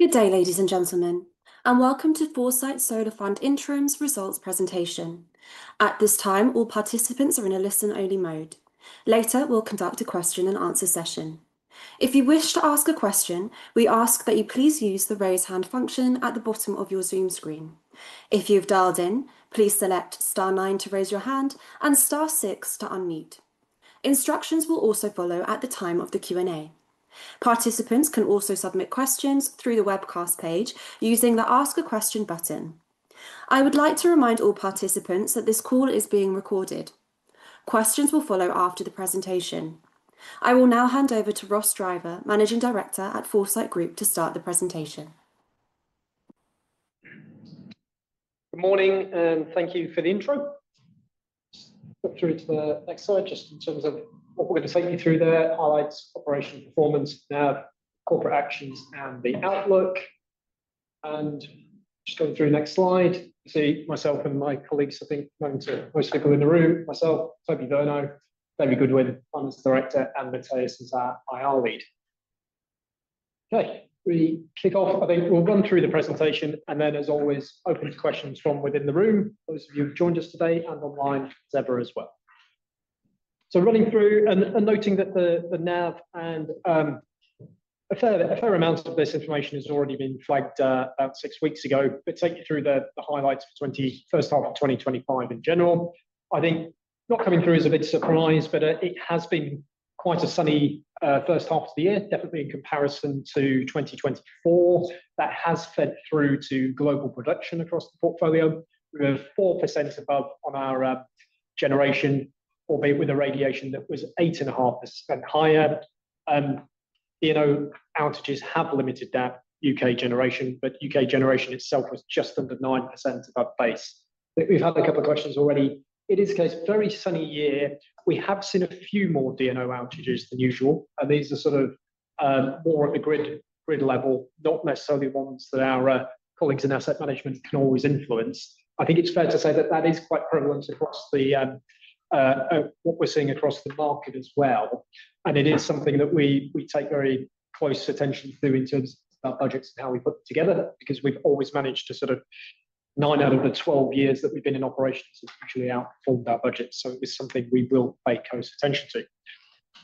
Good day, ladies and gentlemen, and welcome to Foresight Solar Fund Interim Results Presentation. At this time, all participants are in a listen-only mode. Later, we'll conduct a question-and-answer session. If you wish to ask a question, we ask that you please use the raise hand function at the bottom of your Zoom screen. If you've dialed in, please select star nine to raise your hand and star six to unmute. Instructions will also follow at the time of the Q&A. Participants can also submit questions through the webcast page using the Ask a Question button. I would like to remind all participants that this call is being recorded. Questions will follow after the presentation. I will now hand over to Ross Driver, Managing Director at Foresight Group, to start the presentation. Good morning, and thank you for the intro. I'll go through to the next slide just in terms of what we're going to take you through there, highlights operational performance, corporate actions, and the outlook. Just going through the next slide, you see myself and my colleagues, I think, most people in the room, myself, Toby Virno, David Goodwin, Finance Director, and Matheus Fierro, IR Lead. Okay, we kick off. I think we'll run through the presentation and then, as always, open to questions from within the room, those of you who've joined us today and online as ever as well. Running through and noting that the NAV and a fair amount of this information has already been flagged about six weeks ago, but take you through the highlights for the first half of 2025 in general. I think the not coming through is a bit surprising, but it has been quite a sunny first half of the year, definitely in comparison to 2024. That has fed through to global production across the portfolio. We were 4% above on our generation, albeit with an irradiation that was 8.5% higher. DNO outages have limited that U.K. generation, but U.K. generation itself was just under 9% above base. We've had a couple of questions already. It is cause it's a very sunny year. We have seen a few more DNO outages than usual, and these are sort of more at the grid level, not necessarily ones that our colleagues in asset management can always influence. I think it's fair to say that that is quite prevalent across what we're seeing across the market as well. It is something that we take very close attention to in terms of our budgets and how we put them together because we've always managed to sort of nine out of the 12 years that we've been in operations have usually outperformed our budget. It was something we will pay close attention to.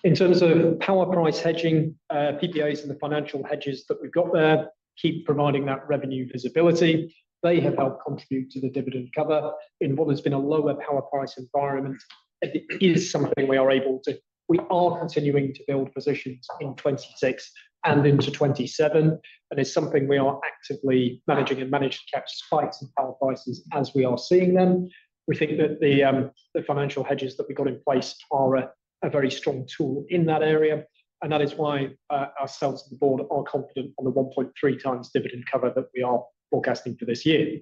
In terms of power price hedging, PPAs and the financial hedges that we've got there keep providing that revenue visibility. They have helped contribute to the dividend cover. In what has been a lower power price environment, it is something we are able to, we are continuing to build positions in 2026 and into 2027. It is something we are actively managing and managing to catch spikes in power prices as we are seeing them. We think that the financial hedges that we've got in place are a very strong tool in that area. And that is why ourselves and the board are confident on the 1.3x dividend cover that we are forecasting for this year.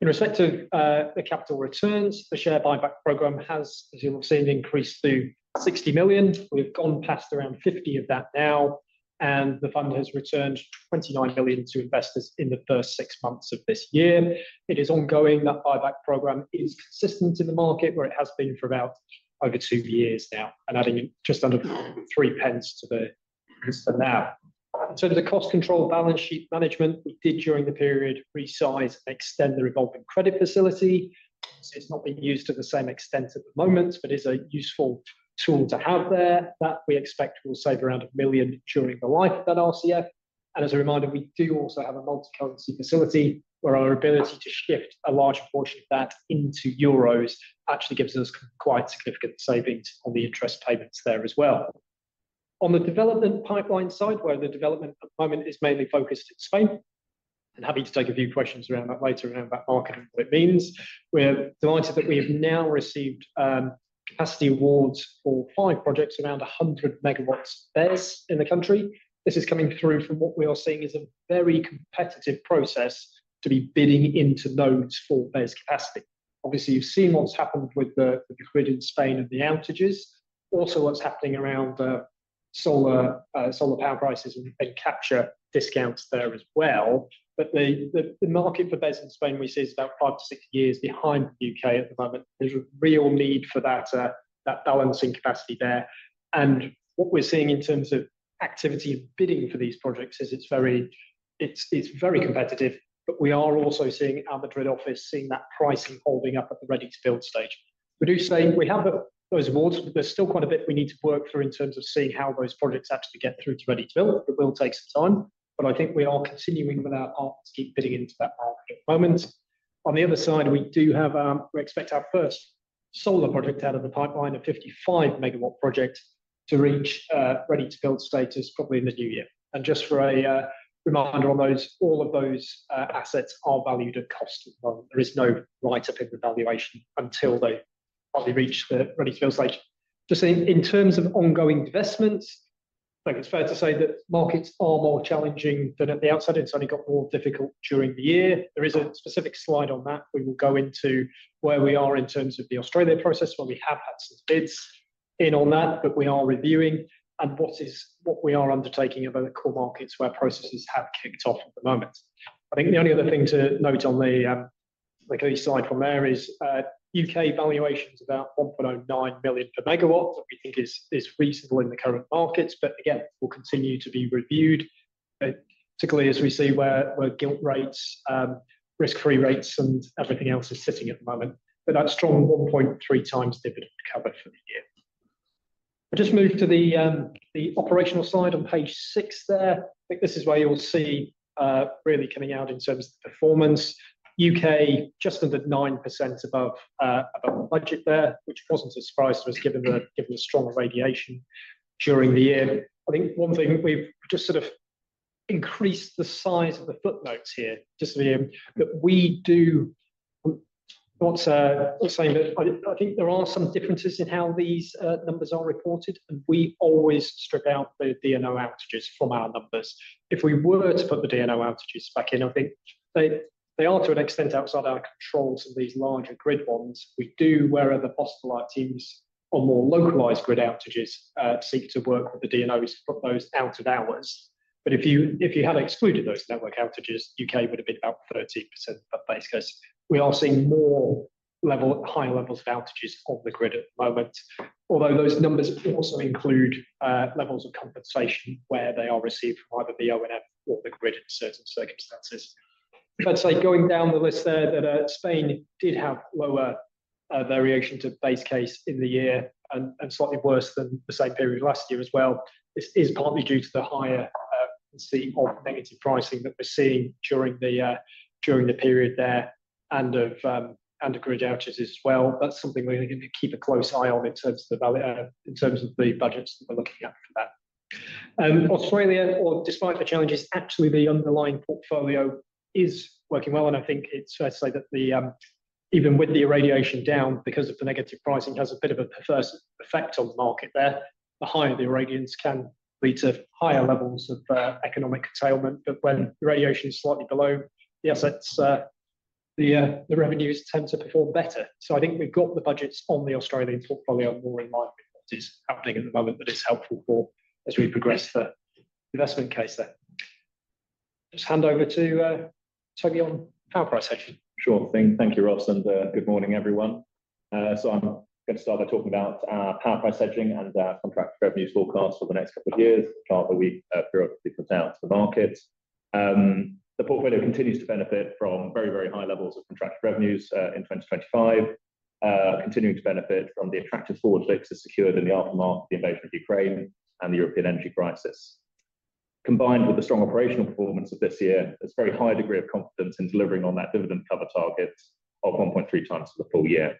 In respect to the capital returns, the share buyback program has, as you'll have seen, increased to 60 million. We've gone past around 50 million of that now, and the fund has returned 29 million to investors in the first six months of this year. It is ongoing. That buyback program is consistent in the market where it has been for about over two years now, and adding just under 0.03 to the NAV. In terms of cost control balance sheet management, we did during the period resize and extend the revolving credit facility. It's not been used to the same extent at the moment, but it is a useful tool to have there that we expect will save around a million during the life of that RCF, and as a reminder, we do also have a multi-currency facility where our ability to shift a large portion of that into Euros actually gives us quite significant savings on the interest payments there as well. On the development pipeline side, where the development at the moment is mainly focused in Spain, and happy to take a few questions around that later, around that market and what it means. We're delighted that we have now received capacity awards for five projects, around 100 MW of BESS in the country. This is coming through from what we are seeing is a very competitive process to be bidding into those for BESS capacity. Obviously, you've seen what's happened with the grid in Spain and the outages. Also, what's happening around solar power prices and capture discounts there as well. But the market for BESS in Spain, we see, is about five to six years behind the U.K. at the moment. There's a real need for that balancing capacity there. And what we're seeing in terms of activity of bidding for these projects is it's very competitive, but we are also seeing our Madrid office seeing that pricing holding up at the ready to build stage. We do say we have those awards, but there's still quite a bit we need to work through in terms of seeing how those projects actually get through to ready to build. It will take some time, but I think we are continuing with our part to keep bidding into that market at the moment. On the other side, we do have. We expect our first solar project out of the pipeline, a 55 MW project, to reach ready-to-build status probably in the new year. Just for a reminder on those, all of those assets are valued at cost. There is no write-up in the valuation until they reach the ready-to-build stage. Just in terms of ongoing investments, I think it's fair to say that markets are more challenging than at the outset. It's only got more difficult during the year. There is a specific slide on that. We will go into where we are in terms of the Australian process, where we have had some bids in on that, but we are reviewing and what we are undertaking in other core markets where processes have kicked off at the moment. I think the only other thing to note on the slide from there is U.K. valuations about 1.09 million per MW, which we think is reasonable in the current markets. But again, we'll continue to be reviewed, particularly as we see where gilt rates, risk-free rates, and everything else is sitting at the moment. But that strong 1.3x dividend cover for the year. I just moved to the operational side on page six there. I think this is where you'll see really coming out in terms of the performance. U.K. just under 9% above budget there, which wasn't a surprise to us given the stronger irradiation during the year. I think one thing we've just sort of increased the size of the footnotes here just to be that we do say that I think there are some differences in how these numbers are reported, and we always strip out the DNO outages from our numbers. If we were to put the DNO outages back in, I think they are to an extent outside our control to these larger grid ones. We do, where possible teams on more localized grid outages seek to work with the DNOs to put those out of hours. But if you had excluded those network outages, U.K. would have been about 13% above base case. We are seeing higher levels of outages on the grid at the moment, although those numbers also include levels of compensation where they are received from either the DNO or the grid in certain circumstances. Let's say going down the list there that Spain did have lower variation to base case in the year and slightly worse than the same period last year as well. This is partly due to the higher sea of negative pricing that we're seeing during the period there and of grid outages as well. That's something we're going to keep a close eye on in terms of the budgets that we're looking at for that. Australia, despite the challenges, actually the underlying portfolio is working well, and I think it's fair to say that even with the irradiation down, because of the negative pricing, has a bit of a perverse effect on the market there. The higher the irradiation can lead to higher levels of economic attainment, but when irradiation is slightly below, the assets, the revenues tend to perform better. So, I think we've got the budgets on the Australian portfolio more in line with what is happening at the moment, but it's helpful for as we progress the investment case there. Just hand over to Toby on power price hedging. Sure. Thank you, Ross. And good morning, everyone. So I'm going to start by talking about power price hedging and contract revenue forecast for the next couple of years, the chart that we've put out to the market. The portfolio continues to benefit from very, very high levels of contracted revenues in 2025, continuing to benefit from the attractive forward fixes secured in the aftermath of the invasion of Ukraine and the European energy crisis. Combined with the strong operational performance of this year, there's a very high degree of confidence in delivering on that dividend cover target of 1.3x for the full year.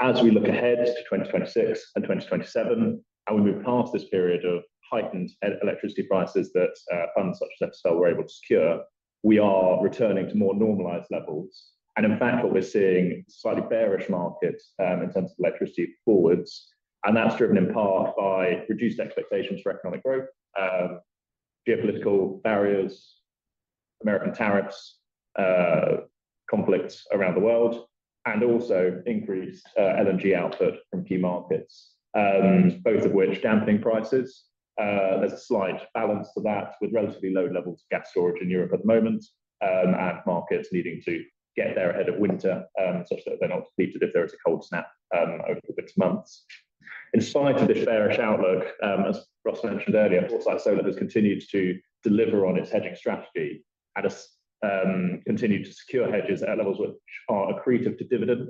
As we look ahead to 2026 and 2027, and we move past this period of heightened electricity prices that funds such as us were able to secure, we are returning to more normalized levels. In fact, what we're seeing is slightly bearish markets in terms of electricity forwards. That's driven in part by reduced expectations for economic growth, geopolitical barriers, American tariffs, conflicts around the world, and also increased LNG output from key markets, both of which dampening prices. There's a slight balance to that with relatively low levels of gas storage in Europe at the moment and markets needing to get there ahead of winter such that they're not depleted if there is a cold snap over the next months. In spite of this bearish outlook, as Ross mentioned earlier, Foresight Solar has continued to deliver on its hedging strategy, continued to secure hedges at levels which are accretive to dividend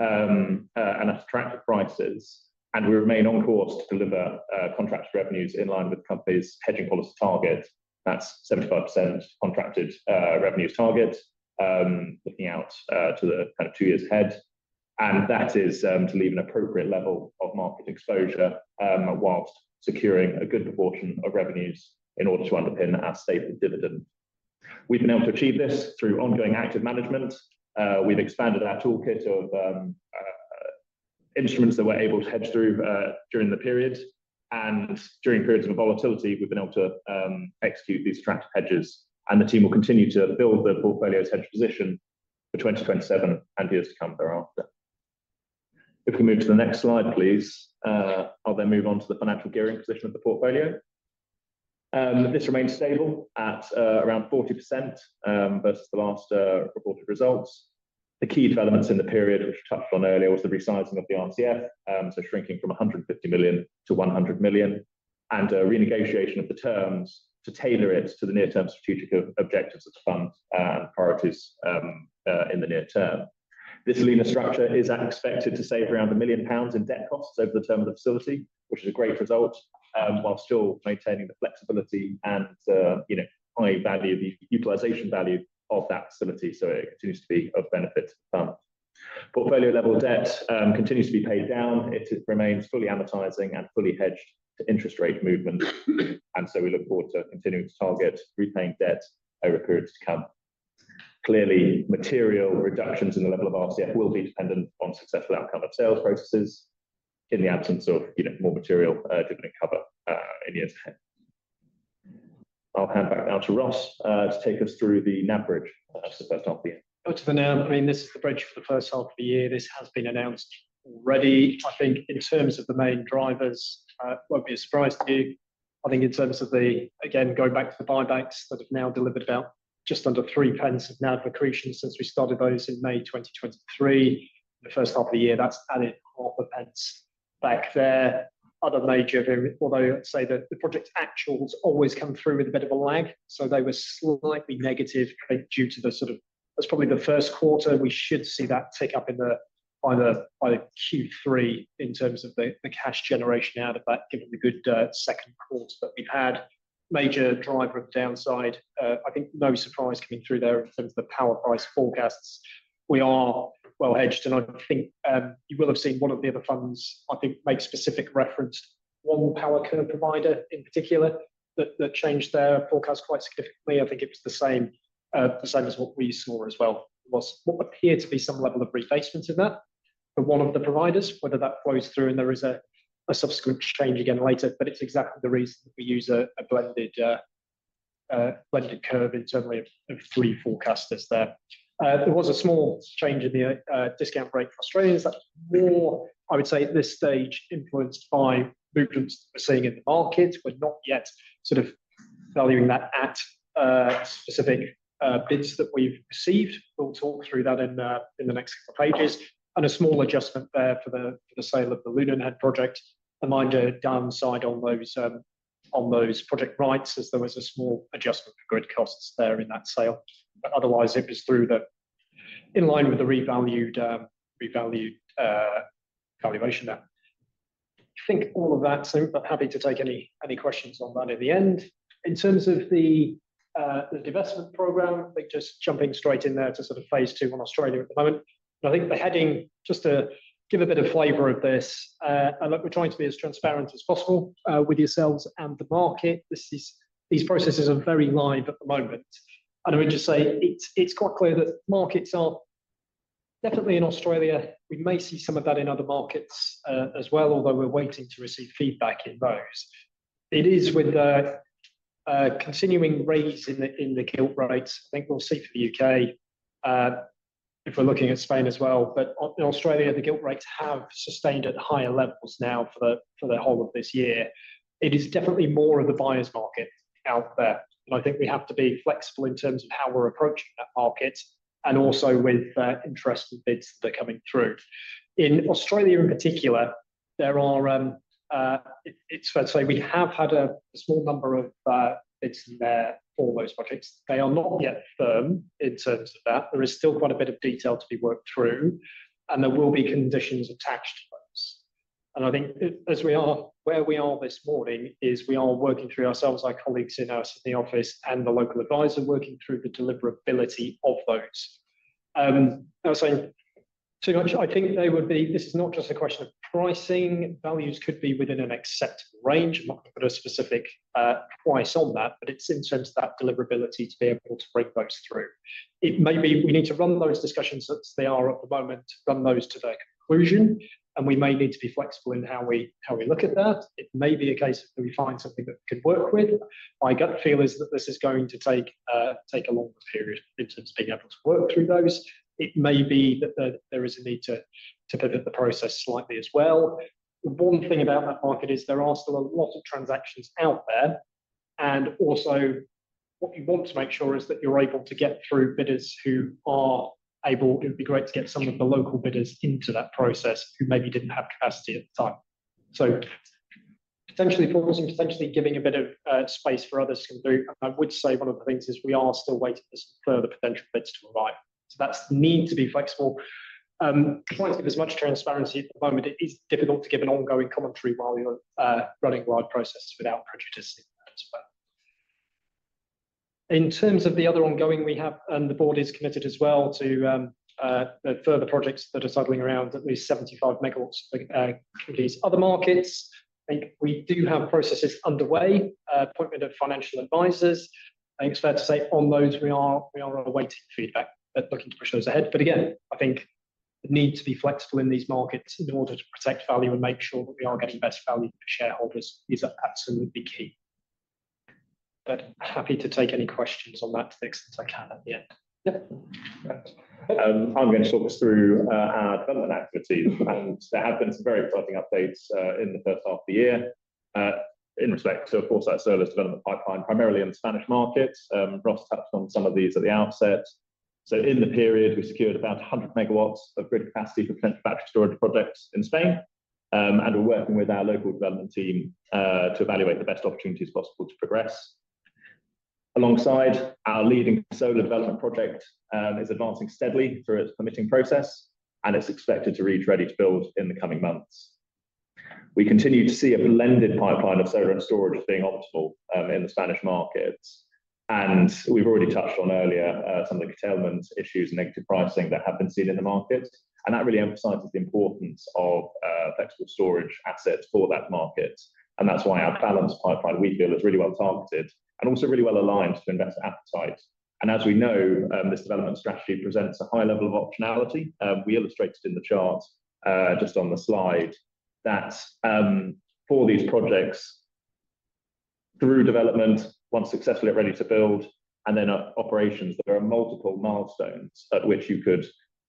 and attractive prices, and we remain on course to deliver contract revenues in line with the company's hedging policy target. That's 75% contracted revenues target, looking out to the kind of two years ahead. That is to leave an appropriate level of market exposure whilst securing a good proportion of revenues in order to underpin our stable dividend. We've been able to achieve this through ongoing active management. We've expanded our toolkit of instruments that we're able to hedge through during the period. During periods of volatility, we've been able to execute these attractive hedges. The team will continue to build the portfolio's hedge position for 2027 and years to come thereafter. If we move to the next slide, please. I'll then move on to the financial gearing position of the portfolio. This remains stable at around 40% versus the last reported results. The key developments in the period, which we touched on earlier, was the resizing of the RCF, so shrinking from 150 million to 100 million and renegotiation of the terms to tailor it to the near-term strategic objectives of the fund and priorities in the near term. This leaner structure is expected to save around 1 million pounds in debt costs over the term of the facility, which is a great result while still maintaining the flexibility and high value, the utilization value of that facility. It continues to be of benefit to the fund. Portfolio-level debt continues to be paid down. It remains fully amortizing and fully hedged to interest rate movement. We look forward to continuing to target repaying debt over periods to come. Clearly, material reductions in the level of RCF will be dependent on successful outcome of sales processes in the absence of more material dividend cover in years ahead. I'll hand back now to Ross to take us through the NAV bridge for the first half of the year. Over to the NAV. I mean, this is the bridge for the first half of the year. This has been announced already, I think, in terms of the main drivers. It won't be a surprise to you. I think in terms of the, again, going back to the buybacks that have now delivered about just under three pence of NAV accretion since we started those in May 2023. The first half of the year, that's added half a pence back there. Other major, although I'd say that the project's actuals always come through with a bit of a lag. So they were slightly negative due to, that's probably the first quarter. We should see that tick up in the by Q3 in terms of the cash generation out of that, given the good second quarter that we've had. Major driver of downside, I think no surprise coming through there in terms of the power price forecasts. We are well hedged, and I think you will have seen one of the other funds, I think, make specific reference to one power curve provider in particular that changed their forecast quite significantly. I think it was the same as what we saw as well. It was what appeared to be some level of replacement in that for one of the providers, whether that flows through and there is a subsequent change again later, but it's exactly the reason that we use a blended curve in terms of three forecasters there. There was a small change in the discount rate for Australian. That's more, I would say at this stage, influenced by movements we're seeing in the market. We're not yet sort of valuing that at specific bids that we've received. We'll talk through that in the next couple of pages, and a small adjustment there for the sale of the LunarNet project. A minor downside on those project rights as there was a small adjustment to grid costs there in that sale, but otherwise, it was thoroughly in line with the revalued valuation there. I think all of that, so I'm happy to take any questions on that at the end. In terms of the divestment program, I think just jumping straight in there to sort of phase two on Australia at the moment, and I think the heading, just to give a bit of flavor of this, and look, we're trying to be as transparent as possible with yourselves and the market. These processes are very live at the moment, and I would just say it's quite clear that markets are definitely in Australia. We may see some of that in other markets as well, although we're waiting to receive feedback in those. It is with continuing rise in the gilt rates. I think we'll see for the U.K. if we're looking at Spain as well. But in Australia, the gilt rates have sustained at higher levels now for the whole of this year. It is definitely more of the buyer's market out there. And I think we have to be flexible in terms of how we're approaching that market and also with interest in bids that are coming through. In Australia in particular, there are, it's fair to say we have had a small number of bids in there for those projects. They are not yet firm in terms of that. There is still quite a bit of detail to be worked through, and there will be conditions attached to those. I think as we are where we are this morning, we are working through ourselves, our colleagues in the office, and the local advisor working through the deliverability of those. I was saying too much. I think they would be. This is not just a question of pricing. Values could be within an acceptable range. I'm not going to put a specific price on that, but it's in terms of that deliverability to be able to bring those through. It may be we need to run those discussions as they are at the moment, run those to their conclusion, and we may need to be flexible in how we look at that. It may be a case that we find something that we could work with. My gut feel is that this is going to take a longer period in terms of being able to work through those. It may be that there is a need to pivot the process slightly as well. One thing about that market is there are still a lot of transactions out there. And also what you want to make sure is that you're able to get through bidders who are able. It would be great to get some of the local bidders into that process who maybe didn't have capacity at the time. So potentially pausing, potentially giving a bit of space for others to come through. And I would say one of the things is we are still waiting for some further potential bids to arrive. So that's the need to be flexible. Trying to give as much transparency at the moment. It is difficult to give an ongoing commentary while you're running large processes without prejudicing that as well. In terms of the other ongoing, we have, and the board is committed as well to further projects that are settling around at least 75 MW for these other markets. I think we do have processes underway, appointment of financial advisors. I think it's fair to say on those we are awaiting feedback, but looking to push those ahead, but again, I think the need to be flexible in these markets in order to protect value and make sure that we are getting best value for shareholders is absolutely key, but happy to take any questions on that to the extent I can at the end. Yep. I'm going to talk us through our development activity. And there have been some very exciting updates in the first half of the year in respect to Foresight Solar's development pipeline, primarily in the Spanish markets. Ross touched on some of these at the outset. So in the period, we secured about 100 MW of grid capacity for potential battery storage projects in Spain. And we're working with our local development team to evaluate the best opportunities possible to progress. Alongside, our leading solar development project is advancing steadily through its permitting process, and it's expected to reach ready-to-build in the coming months. We continue to see a blended pipeline of solar and storage being optimal in the Spanish markets. And we've already touched on earlier some of the curtailment issues and negative pricing that have been seen in the markets. And that really emphasizes the importance of flexible storage assets for that market. And that's why our balanced pipeline, we feel, is really well targeted and also really well aligned to investor appetite. And as we know, this development strategy presents a high level of optionality. We illustrated in the chart just on the slide that for these projects, through development, once successfully at ready to build, and then operations, there are multiple milestones at which you could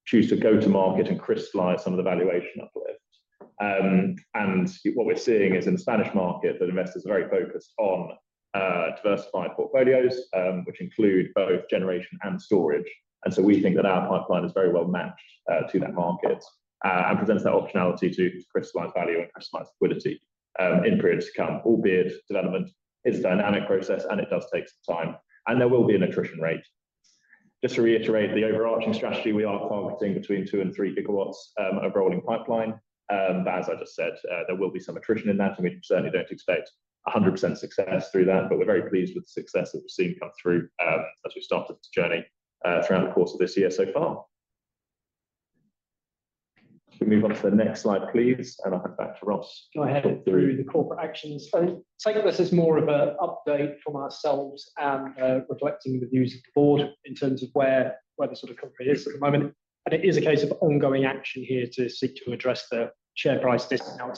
choose to go to market and crystallize some of the valuation uplift. And what we're seeing is in the Spanish market that investors are very focused on diversified portfolios, which include both generation and storage. We think that our pipeline is very well matched to that market and presents that optionality to crystallize value and crystallize liquidity in periods to come, albeit development is a dynamic process and it does take some time, and there will be an attrition rate. Just to reiterate the overarching strategy, we are targeting between two and three GW of rolling pipeline. As I just said, there will be some attrition in that. We certainly don't expect 100% success through that, but we're very pleased with the success that we've seen come through as we started the journey throughout the course of this year so far. If we move on to the next slide, please, and I'll hand back to Ross. Go ahead through the corporate actions. I think this is more of an update from ourselves and reflecting the views of the board in terms of where the sort of company is at the moment. And it is a case of ongoing action here to seek to address the share price discount,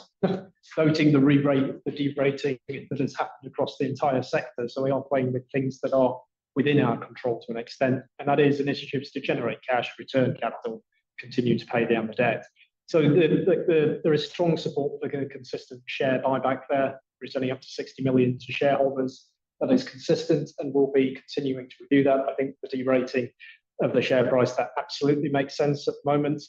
voting the rebate, the de-rating that has happened across the entire sector. So we are playing with things that are within our control to an extent. And that is initiatives to generate cash, return capital to continue to pay down the debt. So there is strong support for a consistent share buyback there, returning up to 60 million to shareholders. That is consistent and will be continuing to do that. I think the de-rating of the share price, that absolutely makes sense at the moment.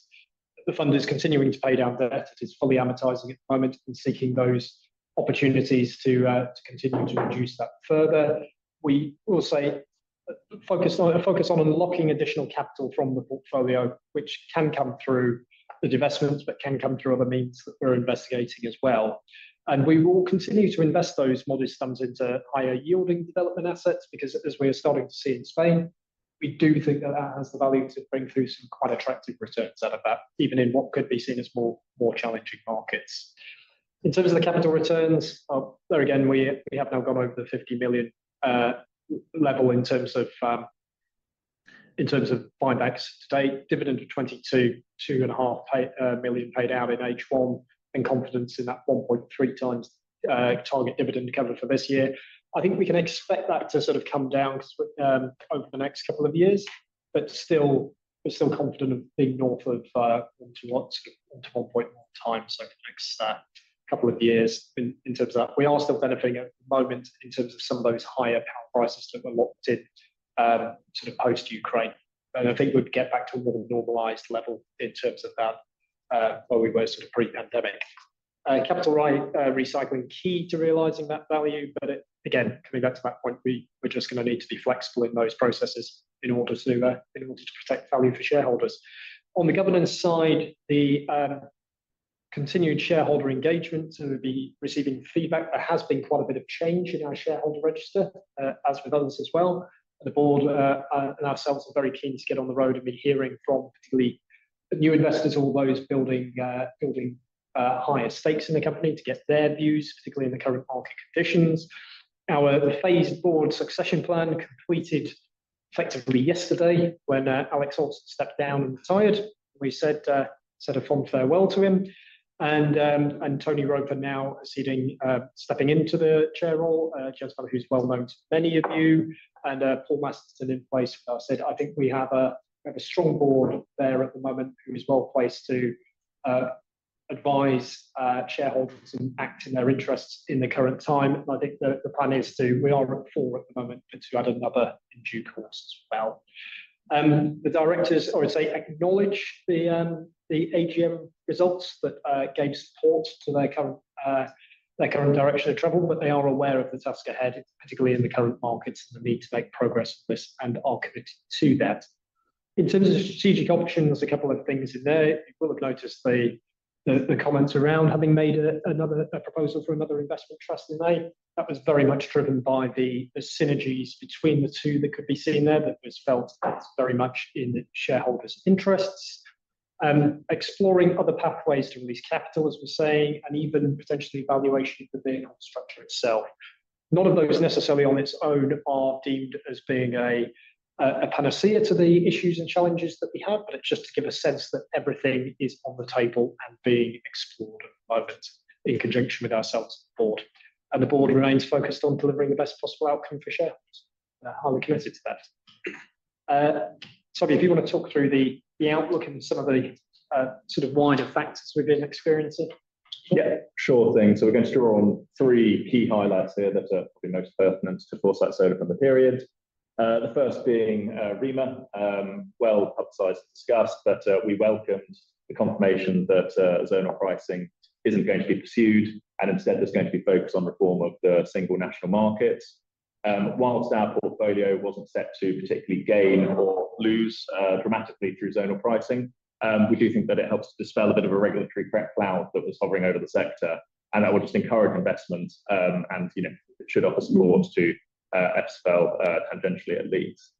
The fund is continuing to pay down debt. It is fully amortizing at the moment and seeking those opportunities to continue to reduce that further. We will say focus on unlocking additional capital from the portfolio, which can come through the divestments, but can come through other means that we're investigating as well. And we will continue to invest those modest sums into higher yielding development assets because as we are starting to see in Spain, we do think that that has the value to bring through some quite attractive returns out of that, even in what could be seen as more challenging markets. In terms of the capital returns, there again, we have now gone over the 50 million level in terms of buybacks to date, dividend of 22, 2.5 million paid out in H1 and confidence in that 1.3x target dividend cover for this year. I think we can expect that to sort of come down over the next couple of years, but still confident of being north of one to 1.1x over the next couple of years in terms of that. We are still benefiting at the moment in terms of some of those higher power prices that were locked in sort of post-Ukraine. And I think we'd get back to a more normalized level in terms of that where we were sort of pre-pandemic. Capital recycling key to realizing that value, but again, coming back to that point, we're just going to need to be flexible in those processes in order to do that, in order to protect value for shareholders. On the governance side, the continued shareholder engagement, so we'll be receiving feedback. There has been quite a bit of change in our shareholder register, as with others as well. The board and ourselves are very keen to get on the road and be hearing from particularly new investors, all those building higher stakes in the company to get their views, particularly in the current market conditions. The phased board succession plan completed effectively yesterday when Alex Ohlsson stepped down and retired. We said a fond farewell to him. Tony Roper now is stepping into the chair role, a chairman who's well known to many of you. Paul Masterson, in place with us, said, "I think we have a strong board there at the moment who is well placed to advise shareholders and act in their interests in the current time." I think the plan is to, we are at four at the moment, but to add another in due course as well. The directors, I would say, acknowledge the AGM results that gave support to their current direction of travel, but they are aware of the task ahead, particularly in the current markets and the need to make progress with this and are committed to that. In terms of strategic options, a couple of things in there. You will have noticed the comments around having made another proposal for another investment trust in May. That was very much driven by the synergies between the two that could be seen there that was felt as very much in shareholders' interests. Exploring other pathways to release capital, as we're saying, and even potentially valuation of the vehicle structure itself. None of those necessarily on its own are deemed as being a panacea to the issues and challenges that we have, but it's just to give a sense that everything is on the table and being explored at the moment in conjunction with ourselves and the board, and the board remains focused on delivering the best possible outcome for shareholders. They're highly committed to that. Toby, if you want to talk through the outlook and some of the sort of wider factors we've been experiencing. Yeah, sure thing. So we're going to draw on three key highlights here that are probably most pertinent to Foresight Solar for the period. The first being REMA, well publicized and discussed, but we welcomed the confirmation that zonal pricing isn't going to be pursued and instead there's going to be focus on reform of the single national market. Whilst our portfolio wasn't set to particularly gain or lose dramatically through zonal pricing, we do think that it helps to dispel a bit of a regulatory risk cloud that was hovering over the sector. And that will just encourage investment and it should offer support to the sector tangentially at least.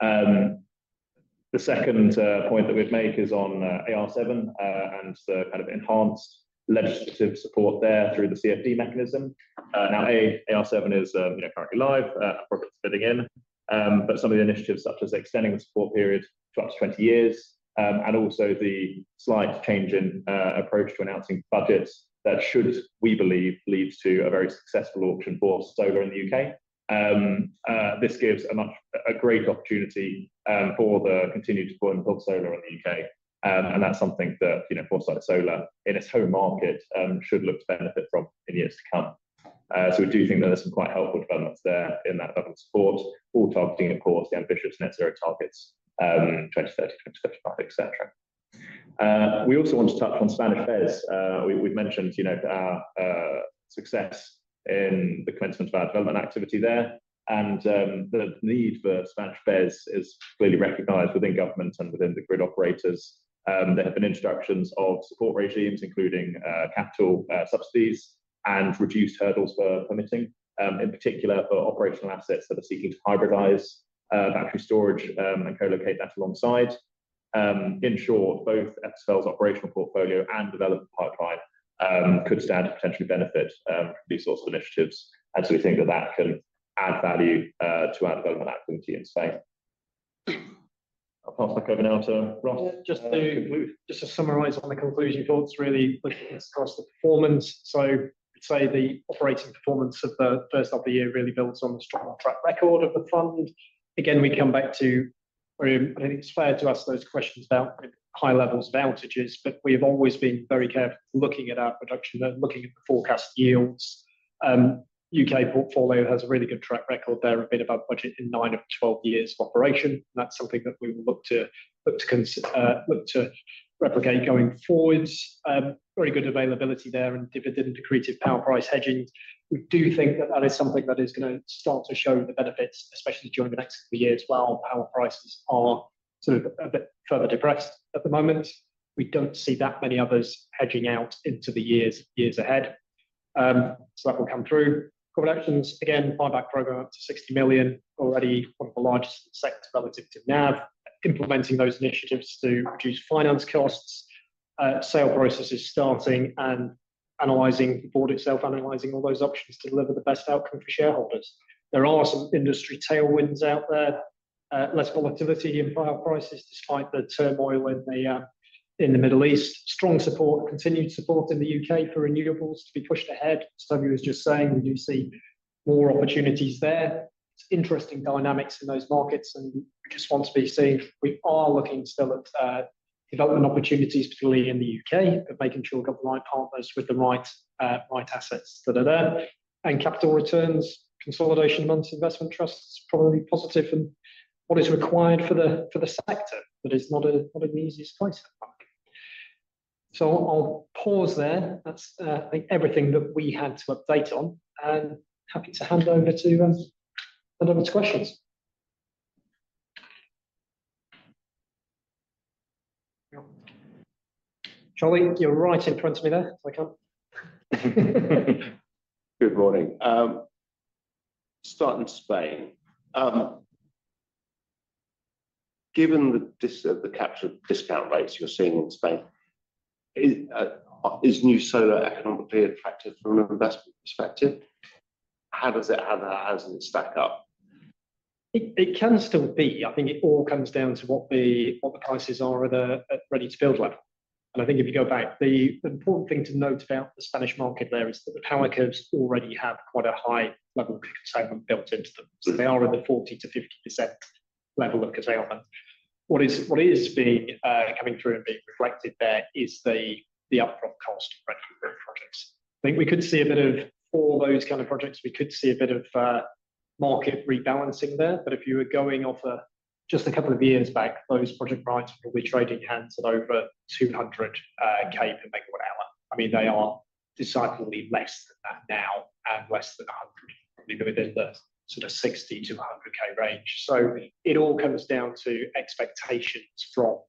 The second point that we'd make is on AR7 and the kind of enhanced legislative support there through the CFD mechanism. Now, AR7 is currently live. I'm probably chiming in, but some of the initiatives such as extending the support period to up to 20 years and also the slight change in approach to announcing budgets that should, we believe, lead to a very successful auction for solar in the U.K.. This gives a great opportunity for the continued support and pull solar in the U.K., and that's something that Foresight Solar in its home market should look to benefit from in years to come, so we do think there are some quite helpful developments there in that level of support, all targeting, of course, the ambitious net zero targets, 2030, 2035, etc. We also want to touch on Spanish reforms. We've mentioned our success in the commencement of our development activity there, and the need for Spanish reforms is clearly recognized within governments and within the grid operators. There have been instructions of support regimes, including capital subsidies and reduced hurdles for permitting, in particular for operational assets that are seeking to hybridize battery storage and co-locate that alongside. In short, both FSFL's operational portfolio and development pipeline could stand to potentially benefit from these sorts of initiatives. And so we think that that can add value to our development activity in Spain. I'll pass back over now to Ross. Just to summarize on the conclusion thoughts, really looking across the performance, so I'd say the operating performance of the first half of the year really builds on the strong track record of the fund. Again, we come back to, I think it's fair to ask those questions about high levels of outages, but we have always been very careful looking at our production and looking at the forecast yields. U.K. portfolio has a really good track record there, a bit above budget in nine of 12 years of operation, and that's something that we will look to replicate going forwards. Very good availability there in dividend and accretive power price hedging. We do think that that is something that is going to start to show the benefits, especially during the next couple of years while power prices are sort of a bit further depressed at the moment. We don't see that many others hedging out into the years ahead, so that will come through. Corporate actions, again, buyback program up to 60 million, already one of the largest in the sector relative to NAV, implementing those initiatives to reduce finance costs. Sale processes starting and analyzing, the board itself analyzing all those options to deliver the best outcome for shareholders. There are some industry tailwinds out there, less volatility in power prices despite the turmoil in the Middle East. Strong support, continued support in the U.K. for renewables to be pushed ahead. As Toby was just saying, we do see more opportunities there. It's interesting dynamics in those markets and we just want to be seeing. We are looking still at development opportunities, particularly in the U.K., of making sure government partners with the right assets that are there. Capital returns, consolidation amongst investment trusts is probably positive and what is required for the sector, but it's not an easy space at the moment. So I'll pause there. That's everything that we had to update on. And happy to hand over to the next questions. Charlie, you're right in front of me there, so I can't. Good morning. Starting Spain. Given the capture discount rates you're seeing in Spain, is new solar economically attractive from an investment perspective? How does it stack up? It can still be. I think it all comes down to what the prices are at a ready-to-build level, and I think if you go back, the important thing to note about the Spanish market there is that the power curves already have quite a high level of consolidation built into them. So they are in the 40%-50% level of consolidation. What is coming through and being reflected there is the upfront cost of projects. I think we could see a bit of for those kind of projects, we could see a bit of market rebalancing there. But if you were going off just a couple of years back, those project rights would be trading hands at over 200k per MW hour. I mean, they are discernibly less than that now and less than 100, probably within the sort of 60k-100k range. It all comes down to expectations from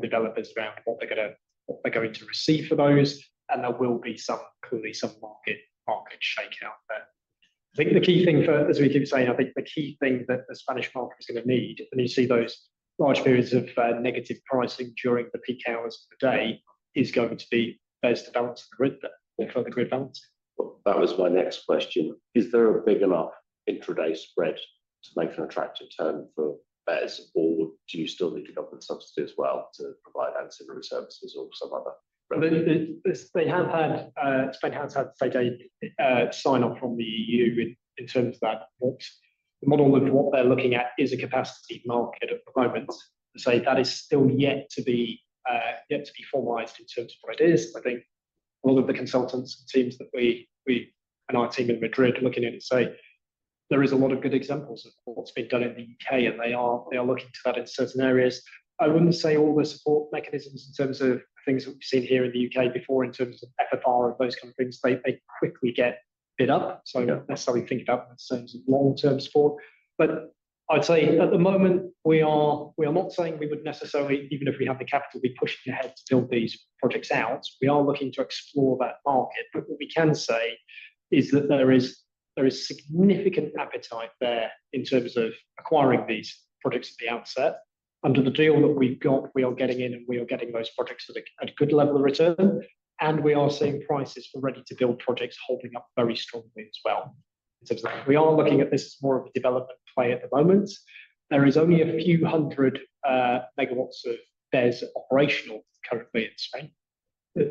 developers around what they're going to receive for those. There will be clearly some market shakeout there. I think the key thing for, as we keep saying, I think the key thing that the Spanish market is going to need, and you see those large periods of negative pricing during the peak hours of the day, is going to be BESS developed for the grid balance. That was my next question. Is there a big enough intraday spread to make an attractive term for BESS, or do you still need to go for the subsidy as well to provide ancillary services or some other? They have had. Spain has had state aid sign off from the EU in terms of that. The model of what they're looking at is a capacity market at the moment. So that is still yet to be formalized in terms of what it is. I think a lot of the consultants and teams that we and our team in Madrid are looking at it say there is a lot of good examples of what's been done in the U.K., and they are looking to that in certain areas. I wouldn't say all the support mechanisms in terms of things that we've seen here in the U.K. before in terms of FFR and those kind of things. They quickly get bid up. So not necessarily think about them in terms of long-term support. But I'd say at the moment, we are not saying we would necessarily, even if we have the capital, be pushing ahead to build these projects out. We are looking to explore that market. But what we can say is that there is significant appetite there in terms of acquiring these projects at the outset. Under the deal that we've got, we are getting in and we are getting those projects at a good level of return. And we are seeing prices for ready-to-build projects holding up very strongly as well. We are looking at this as more of a development play at the moment. There is only a few hundred MW of BESS operational currently in Spain.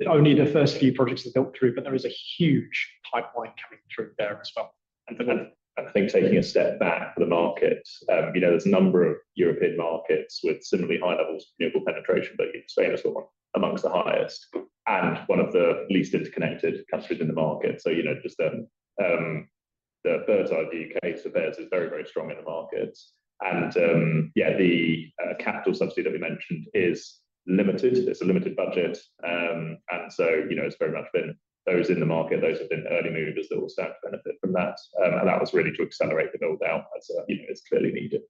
Only the first few projects are built through, but there is a huge pipeline coming through there as well. I think taking a step back for the markets, there's a number of European markets with similarly high levels of renewable penetration, but Spain is among the highest and one of the least interconnected countries in the market. Just the bird's eye of the U.K. to BESS is very, very strong in the markets. Yeah, the capital subsidy that we mentioned is limited. It's a limited budget. It's very much been those in the market, those have been early movers that will start to benefit from that. That was really to accelerate the build out as it's clearly needed.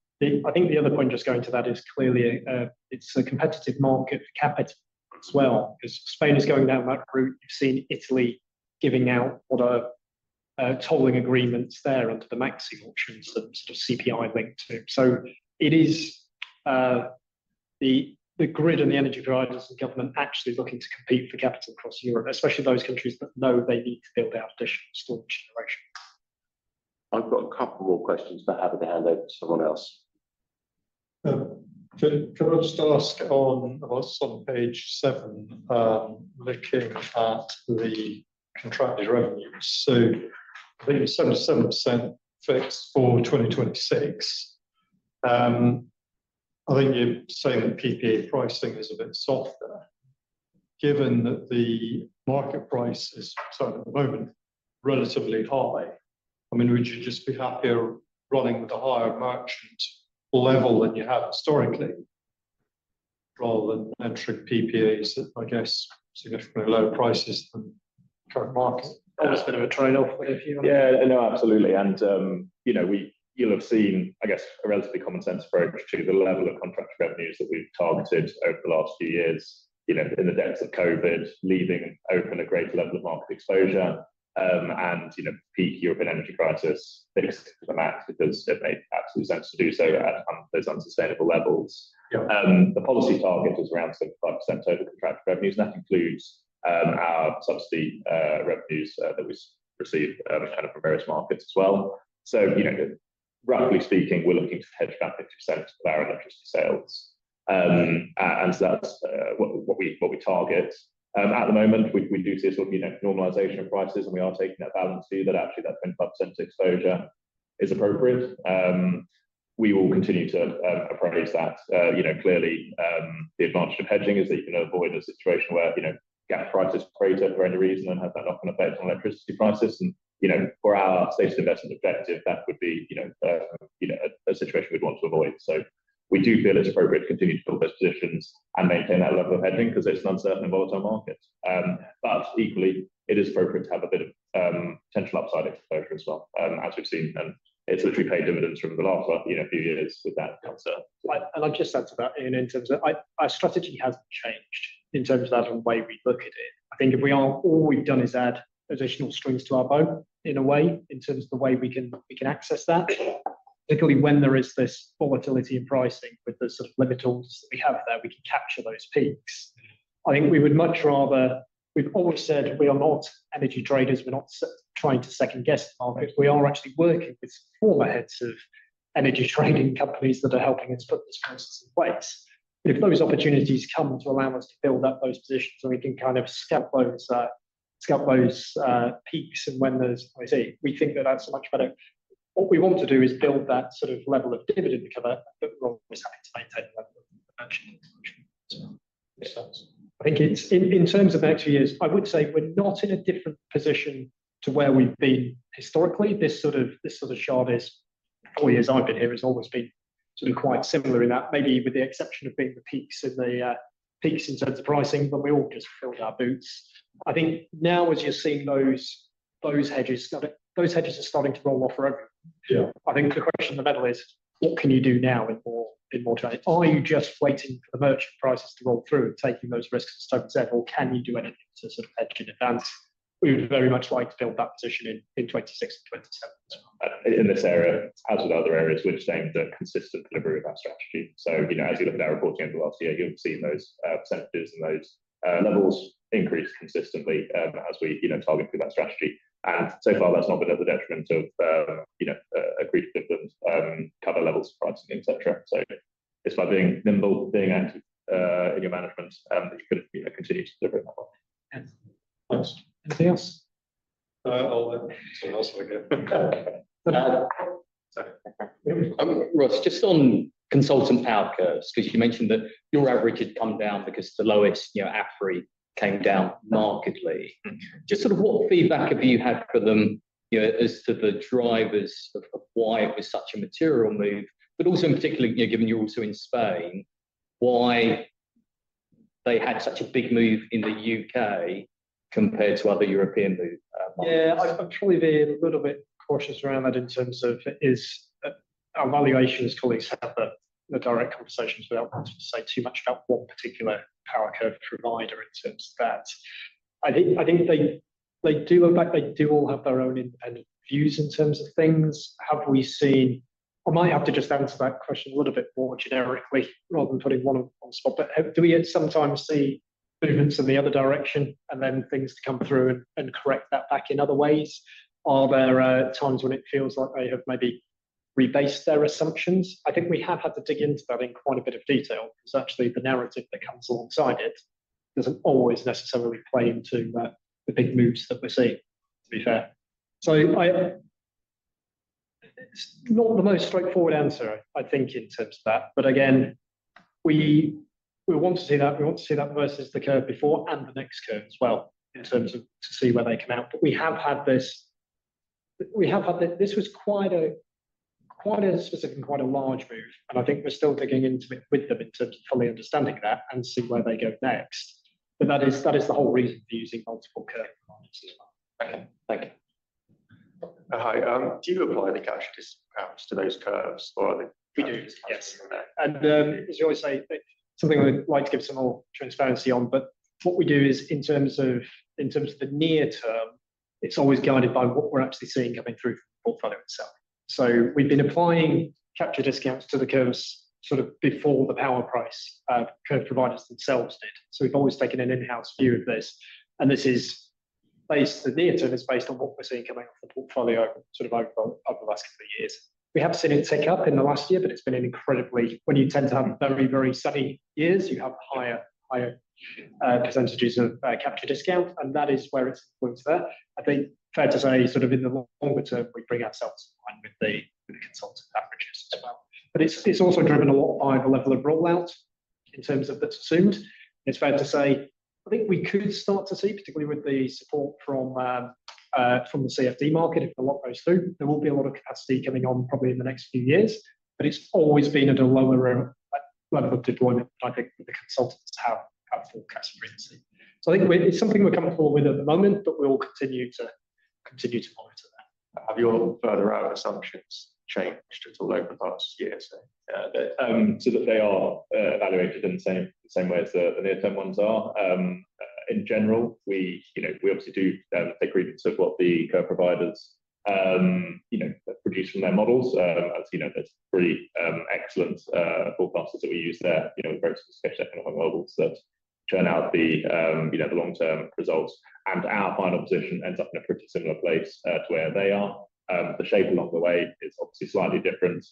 I think the other point just going to that is clearly it's a competitive market for capital as well. Spain is going down that route. You've seen Italy giving out what are tolling agreements there under the MACSE options that sort of CPI linked to, so it is the grid and the energy providers and government actually looking to compete for capital across Europe, especially those countries that know they need to build out additional storage generation. I've got a couple more questions, but I have to hand over to someone else. Can I just ask on what's on page seven, looking at the contracted revenues? so I think 77% fixed for 2026. I think you're saying that PPA pricing is a bit softer. Given that the market price is at the moment relatively high, I mean, would you just be happier running with a higher merchant level than you have historically, rather than entering PPAs at, I guess, significantly lower prices than current market? That was a bit of a trade-off, if you like. Yeah, no, absolutely, and you'll have seen, I guess, a relatively common sense approach to the level of contract revenues that we've targeted over the last few years in the depths of COVID, leaving open a great level of market exposure and peak European energy crisis fixed to the max because it made absolute sense to do so at those unsustainable levels. The policy target is around 75% total contracted revenues, and that includes our subsidy revenues that we receive from various markets as well. So roughly speaking, we're looking to hedge about 50% of our electricity sales, and so that's what we target. At the moment, we do see a sort of normalization of prices, and we are taking that balance too that actually that 25% exposure is appropriate. We will continue to appraise that. Clearly, the advantage of hedging is that you can avoid a situation where gas prices are greater for any reason and have that knock-on effect on electricity prices. And for our stated investment objective, that would be a situation we'd want to avoid. So we do feel it's appropriate to continue to build those positions and maintain that level of hedging because it's an uncertain and volatile market. But equally, it is appropriate to have a bit of potential upside exposure as well, as we've seen. And it's literally paid dividends from the last few years with that concern. I'll just add to that in terms of our strategy hasn't changed in terms of the way we look at it. I think if we all, all we've done is add additional strings to our bow in a way in terms of the way we can access that. Particularly when there is this volatility in pricing with the sort of limit orders that we have there, we can capture those peaks. I think we would much rather, we've always said we are not energy traders. We're not trying to second guess the market. We are actually working with former heads of energy trading companies that are helping us put this process in place. If those opportunities come to allow us to build up those positions and we can kind of scalp those peaks and when there's a, we think that that's a much better. What we want to do is build that sort of level of dividend cover, but we're always happy to maintain the level of merchant exposure as well. I think in terms of the next few years, I would say we're not in a different position to where we've been historically. This sort of situation, four years I've been here has always been sort of quite similar in that, maybe with the exception of being the peaks in the peaks in terms of pricing, but we all just filled our boots. I think now as you're seeing those hedges, those hedges are starting to roll off for everyone. I think the question of the model is, what can you do now in more time? Are you just waiting for the merchant prices to roll through and taking those risks to 2027, or can you do anything to sort of hedge in advance? We would very much like to build that position in 2026 and 2027 as well. In this area, as with other areas, we're staying with a consistent delivery of our strategy. So as you look at our reporting over the last year, you'll see those percentages and those levels increase consistently as we target through that strategy. And so far, that's not been at the detriment of accretive dividends, cover levels of pricing, etc. So it's by being nimble, being active in your management that you can continue to deliver that one. Thanks. Anything else? I'll add something else if I can. Sorry. Ross, just on consultant power curves, because you mentioned that your average had come down because the lowest AFRY came down markedly. Just sort of what feedback have you had for them as to the drivers of why it was such a material move, but also in particular, given you're also in Spain, why they had such a big move in the U.K. compared to other European moves? Yeah, I'm truly being a little bit cautious around that in terms of our valuations. Colleagues have the direct conversations without wanting to say too much about one particular power curve provider in terms of that. I think they do all have their own independent views in terms of things. Have we seen? I might have to just answer that question a little bit more generically rather than putting one on one spot, but do we sometimes see movements in the other direction and then things to come through and correct that back in other ways? Are there times when it feels like they have maybe rebased their assumptions? I think we have had to dig into that in quite a bit of detail because actually the narrative that comes alongside it doesn't always necessarily play into the big moves that we're seeing, to be fair. So it's not the most straightforward answer, I think, in terms of that. But again, we want to see that. We want to see that versus the curve before and the next curve as well in terms of to see where they come out. But we have had this. This was quite a specific and quite a large move. And I think we're still digging into it with them in terms of fully understanding that and see where they go next. But that is the whole reason for using multiple curve providers as well. Okay. Thank you. Hi. Do you apply the cash discounts to those curves or are they? We do. Yes. And as you always say, something I'd like to give some more transparency on, but what we do is in terms of the near term, it's always guided by what we're actually seeing coming through from the portfolio itself. So we've been applying capture discounts to the curves sort of before the power price curve providers themselves did. So we've always taken an in-house view of this. And this is based. The near term is based on what we're seeing coming off the portfolio sort of over the last couple of years. We have seen it take up in the last year, but it's been an incredibly, when you tend to have very, very sunny years, you have higher percentages of capture discounts. And that is where it's influenced that. I think it's fair to say sort of in the longer term, we bring ourselves in line with the consultant averages as well. But it's also driven a lot by the level of rollout in terms of the consensus. It's fair to say, I think we could start to see, particularly with the support from the CFD market, if AR7 goes through, there will be a lot of capacity coming on probably in the next few years. But it's always been at a lower level of deployment, I think, than the consultants have forecast for in theory. So I think it's something we're comfortable with at the moment, but we'll continue to monitor that. Have your further assumptions changed at all over the last year so that they are evaluated in the same way as the near-term ones are. In general, we obviously do take agreements of what the curve providers produce from their models. As you know, there's three excellent forecasters that we use there, very sophisticated economic models that churn out the long-term results, and our final position ends up in a pretty similar place to where they are. The shape along the way is obviously slightly different,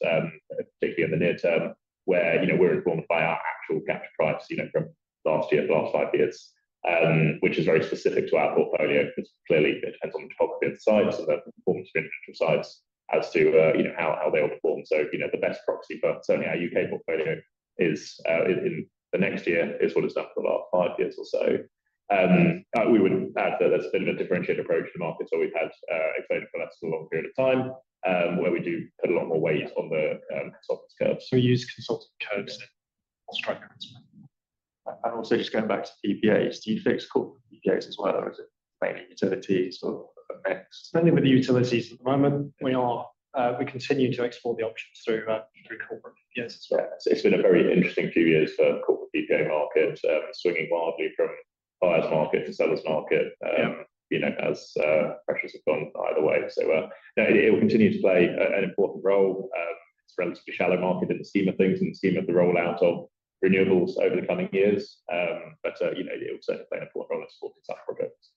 particularly in the near term, where we're informed by our actual capture price from last year to last five years, which is very specific to our portfolio because clearly it depends on the topography of the sites and the performance of individual sites as to how they all perform. So the best proxy for certainly our U.K. portfolio in the next year is what it's done for the last five years or so. We would add that there's a bit of a differentiated approach to the market. So we've had exciting for that for a long period of time where we do put a lot more weight on the consultant curves. We use consultant curves and strike rates. Also just going back to the PPAs, do you fix corporate PPAs as well or is it mainly utilities or a mix? Depending on the utilities at the moment, we continue to export the options through corporate PPAs as well. It's been a very interesting few years for the corporate PPA market, swinging wildly from buyer's market to seller's market as pressures have gone either way. So it will continue to play an important role. It's a relatively shallow market in the scheme of things and the scheme of the rollout of renewables over the coming years. But it will certainly play an important role in supporting such projects.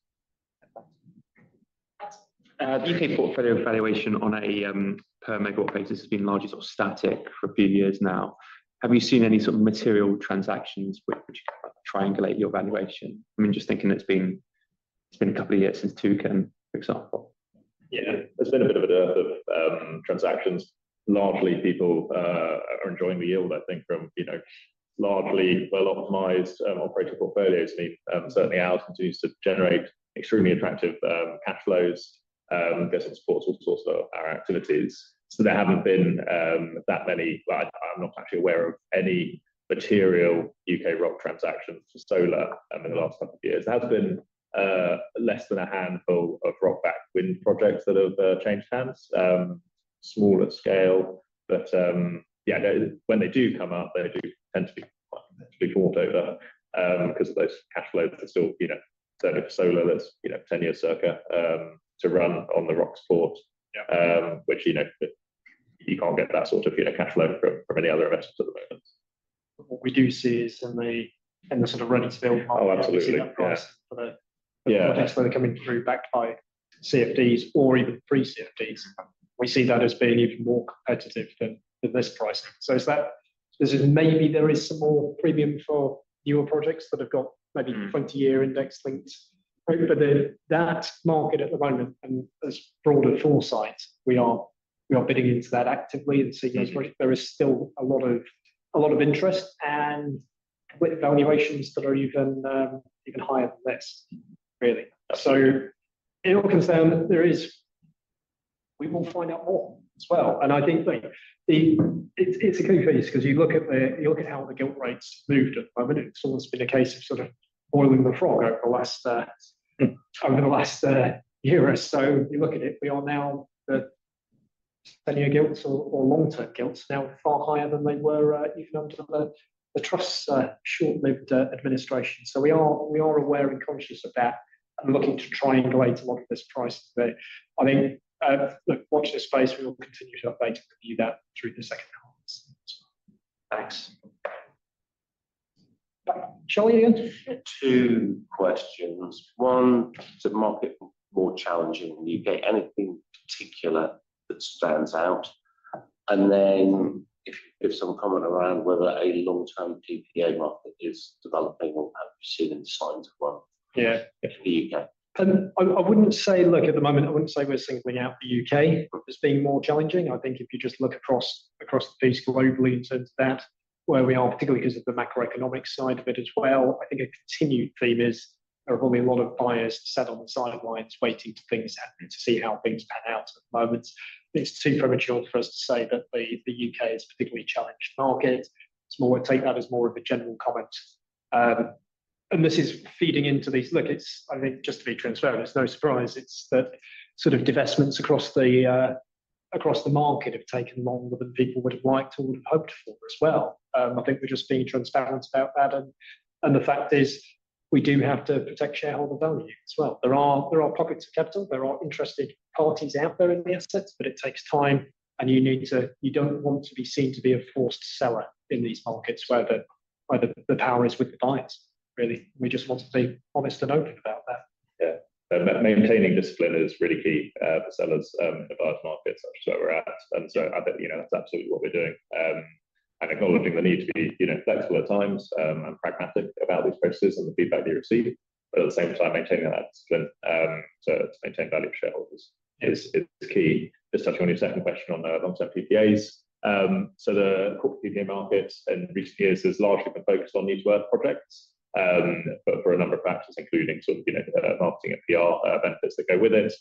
The U.K. portfolio valuation on a per MW basis has been largely sort of static for a few years now. Have you seen any sort of material transactions which kind of triangulate your valuation? I mean, just thinking it's been a couple of years since Toucan, for example. Yeah, there's been a bit of a dearth of transactions. Largely, people are enjoying the yield, I think, from largely well-optimized operating portfolios. Certainly, ours continues to generate extremely attractive cash flows because it supports all sorts of our activities. So there haven't been that many, but I'm not actually aware of any material U.K. ROC transactions for solar in the last couple of years. There has been less than a handful of ROC-backed wind projects that have changed hands, small in scale. But yeah, when they do come up, they do tend to be quite important overall because of those cash flows that still support solar that's 10 years circa to run on the ROC support, which you can't get that sort of cash flow from any other investors at the moment. What we do see is in the sort of ready-to-build market. Oh, absolutely. For the projects that are coming through backed by CFDs or even pre-CFDs, we see that as being even more competitive than this price. So maybe there is some more premium for newer projects that have got maybe 20-year index-linked. But that market at the moment and there's broader Foresight, we are bidding into that actively and seeing there is still a lot of interest and valuations that are even higher than this, really. So in all concern, there is, we will find out more as well, and I think it's a key piece because you look at how the gilt rates moved at the moment. It's almost been a case of sort of boiling the frog over the last year or so. You look at it, we are now the 10-year gilts or long-term gilts now far higher than they were even under the Truss short-lived administration. So we are aware and conscious of that and looking to triangulate a lot of this price. I think, look, watch this space. We will continue to update and review that through the second half of the season as well. Thanks. Shall we begin? Two questions. One, is the market more challenging in the U.K.? Anything in particular that stands out? And then if some comment around whether a long-term PPA market is developing or perceiving the signs of one in the U.K.? I wouldn't say, look, at the moment, I wouldn't say we're singling out the U.K. as being more challenging. I think if you just look across the piece globally in terms of that, where we are, particularly because of the macroeconomic side of it as well, I think a continued theme is there are probably a lot of buyers sat on the sidelines waiting to see how things pan out at the moment. It's too premature for us to say that the U.K. is a particularly challenged market. Take that as more of a general comment. And this is feeding into these, look, it's, I think, just to be transparent, it's no surprise. It's that sort of divestments across the market have taken longer than people would have liked or would have hoped for as well. I think we're just being transparent about that. And the fact is we do have to protect shareholder value as well. There are pockets of capital. There are interested parties out there in the assets, but it takes time and you don't want to be seen to be a forced seller in these markets where the power is with the buyers, really. We just want to be honest and open about that. Yeah. Maintaining discipline is really key for sellers in the buyer's market, such as where we're at, and so I think that's absolutely what we're doing, and acknowledging the need to be flexible at times and pragmatic about these processes and the feedback you receive, but at the same time, maintaining that discipline to maintain value for shareholders is key. Just touching on your second question on long-term PPAs, so the corporate PPA market in recent years has largely been focused on these wind projects, but for a number of factors, including sort of marketing and PR benefits that go with it.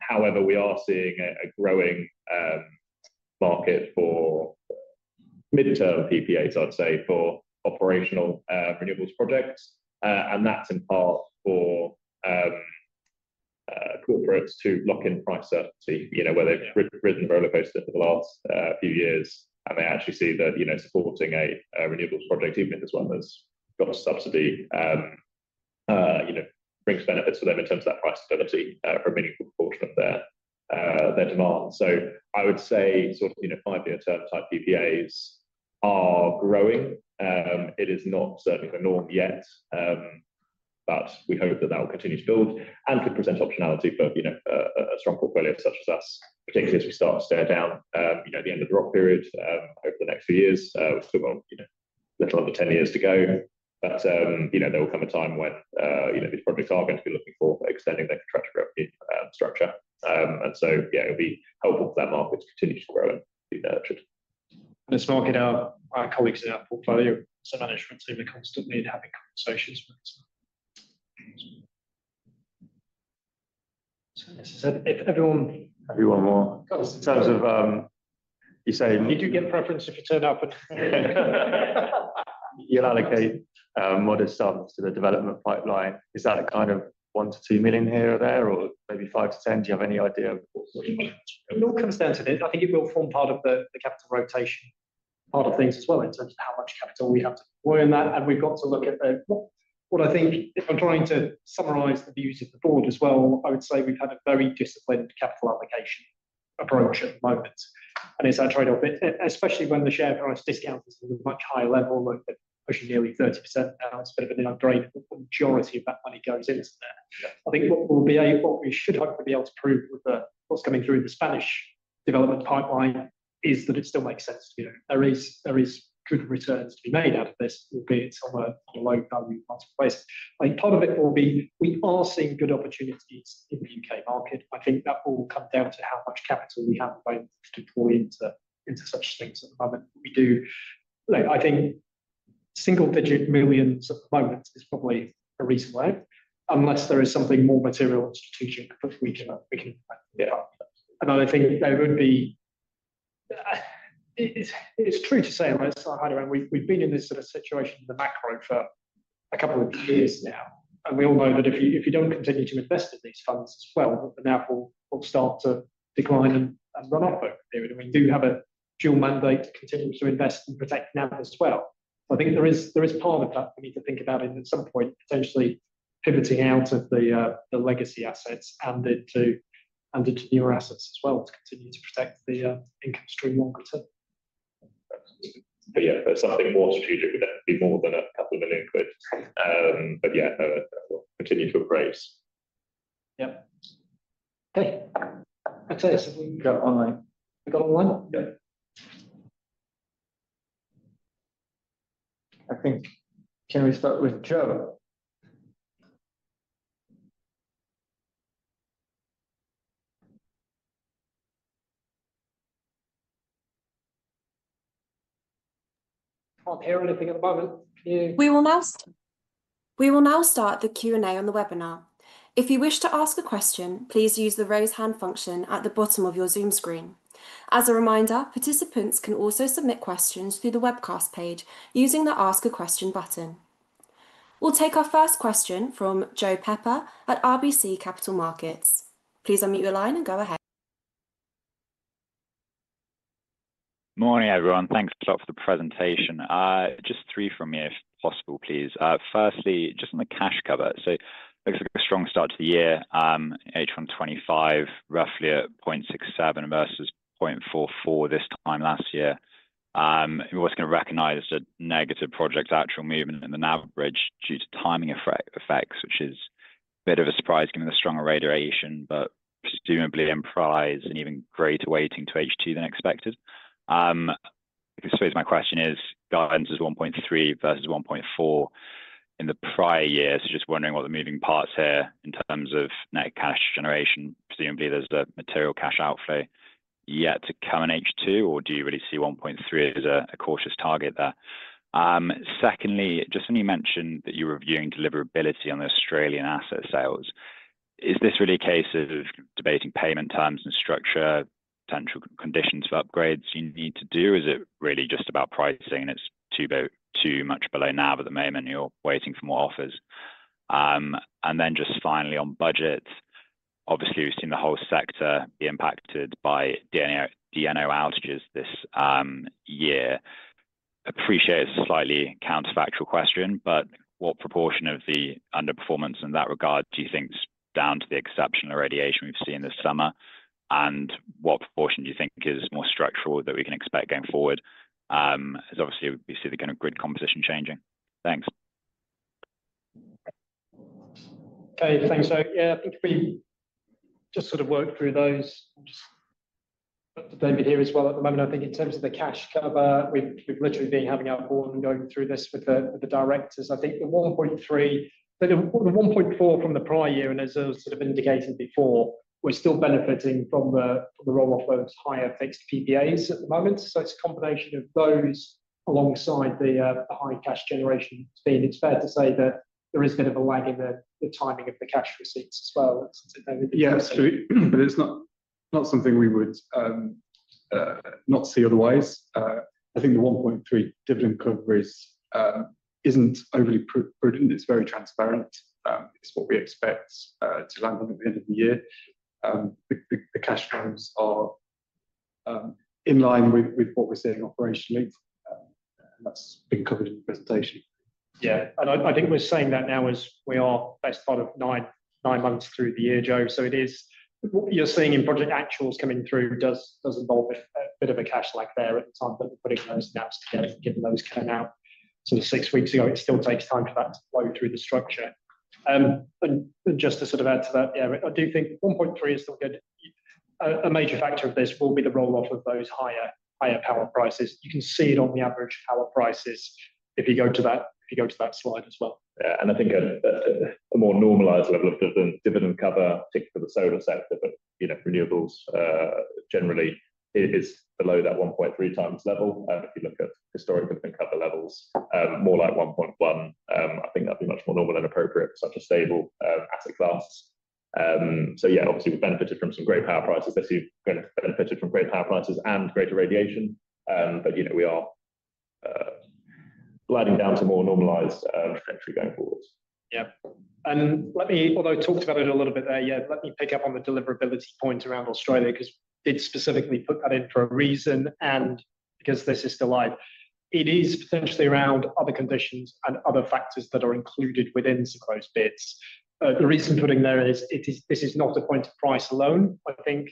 However, we are seeing a growing market for mid-term PPAs, I'd say, for operational renewables projects. And that's in part for corporates to lock in price certainty, where they've ridden roller coasters for the last few years, and they actually see that supporting a renewables project, even if it's one that's got a subsidy, brings benefits for them in terms of that price stability for a meaningful portion of their demand. So I would say sort of five-year term type PPAs are growing. It is not certainly the norm yet, but we hope that that will continue to build and could present optionality for a strong portfolio such as us, particularly as we start to stare down the end of the ROC period over the next few years. We've still got a little over 10 years to go, but there will come a time when these projects are going to be looking for extending their contractual revenue structure. And so, yeah, it'll be helpful for that market to continue to grow and be nurtured. And it's our colleagues in our portfolio management team are constantly having conversations with us. So this is it. If everyone will. In terms of, you say. Did you get preference if you turned up? You'll allocate modest sums to the development pipeline. Is that a kind of 1-2 million here or there or maybe 5-10? Do you have any idea? It all comes down to this. I think it will form part of the capital rotation part of things as well in terms of how much capital we have to deploy in that, and we've got to look at what I think, if I'm trying to summarize the views of the board as well, I would say we've had a very disciplined capital allocation approach at the moment, and it's our trade-off, especially when the share price discount is at a much higher level, like pushing nearly 30% now, it's a bit of an upgrade. The majority of that money goes into there. I think what we should hope to be able to prove with what's coming through the Spanish development pipeline is that it still makes sense. There are good returns to be made out of this, albeit on a low-value marketplace. I think part of it will be we are seeing good opportunities in the U.K. market. I think that will come down to how much capital we have to deploy into such things at the moment. I think single-digit millions at the moment is probably a reasonable amount, unless there is something more material and strategic that we can get up. And I think there would be, it's true to say, I mean, we've been in this sort of situation in the macro for a couple of years now. We all know that if you don't continue to invest in these funds as well, the NAV will start to decline and run up over a period. We do have a dual mandate to continue to invest and protect NAV as well. I think there is part of that we need to think about in at some point potentially pivoting out of the legacy assets and into newer assets as well to continue to protect the income stream longer term. But yeah, something more strategic would definitely be more than a couple of million GBP. But yeah, we'll continue to appraise. Yep. Okay. That's it. We've got it online. We've got it online. Yeah. I think, can we start with Joe? Can't hear anything at the moment. We will now start the Q&A on the webinar. If you wish to ask a question, please use the raise hand function at the bottom of your Zoom screen. As a reminder, participants can also submit questions through the webcast page using the ask a question button. We'll take our first question from Joe Pepper at RBC Capital Markets. Please unmute your line and go ahead. Morning, everyone. Thanks a lot for the presentation. Just three from me, if possible, please. Firstly, just on the cash cover. So it looks like a strong start to the year, H125 roughly at 0.67 versus 0.44 this time last year. We're always going to recognize the negative project actual movement and the average due to timing effects, which is a bit of a surprise given the stronger irradiation, but presumably in price and even greater weighting to H2 than expected. I guess my question is, guidance is 1.3 versus 1.4 in the prior year. So just wondering what the moving parts here in terms of net cash generation. Presumably, there's a material cash outflow yet to come in H2, or do you really see 1.3 as a cautious target there? Secondly, just when you mentioned that you're reviewing deliverability on the Australian asset sales, is this really a case of debating payment terms and structure, potential conditions for upgrades you need to do? Is it really just about pricing and it's too much below NAV at the moment and you're waiting for more offers? And then just finally on budget, obviously we've seen the whole sector be impacted by DNO outages this year. Appreciate it's a slightly counterfactual question, but what proportion of the underperformance in that regard do you think is down to the exceptional irradiation we've seen this summer? And what proportion do you think is more structural that we can expect going forward? Obviously, we see the kind of grid composition changing. Thanks. Okay, thanks, Joe. Yeah, I think if we just sort of work through those, just put the David here as well at the moment. I think in terms of the cash cover, we've literally been having our board and going through this with the directors. I think the 1.3, the 1.4 from the prior year, and as I was sort of indicating before, we're still benefiting from the roll-off of higher fixed PPAs at the moment, so it's a combination of those alongside the high cash generation theme. It's fair to say that there is a bit of a lag in the timing of the cash receipts as well. Yeah, absolutely. But it's not something we would not see otherwise. I think the 1.3 dividend coverage isn't overly prudent. It's very transparent. It's what we expect to land at the end of the year. The cash terms are in line with what we're seeing operationally. That's been covered in the presentation. Yeah, and I think we're saying that now as we are best part of nine months through the year, Joe, so it is what you're seeing in project actuals coming through does involve a bit of a cash lag there at the time that we're putting those P&Ls together, getting those turned out, so six weeks ago, it still takes time for that to flow through the structure, and just to sort of add to that, yeah, I do think 1.3 is still good. A major factor of this will be the roll-off of those higher power prices. You can see it on the average power prices if you go to that slide as well. Yeah, and I think a more normalized level of dividend cover, particularly for the solar sector, but renewables generally, is below that 1.3x level. If you look at historic dividend cover levels, more like 1.1, I think that'd be much more normal and appropriate for such a stable asset class, so yeah, obviously we've benefited from some great power prices. I see you've benefited from great power prices and greater irradiation, but we are gliding down to more normalized trajectory going forward. Yeah, and although I talked about it a little bit there, yeah, let me pick up on the deliverability point around Australia because we did specifically put that in for a reason and because this is still live. It is potentially around other conditions and other factors that are included within some of those bids. The reason putting there is this is not a point of price alone, I think.